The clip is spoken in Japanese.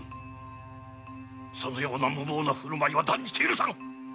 そのような無謀な振る舞いは断じて許さん。